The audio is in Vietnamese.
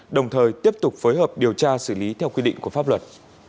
đồng thời tiếp tục phối hợp điều tra xử lý theo quy định của pháp luật